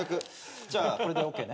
じゃあこれでＯＫね？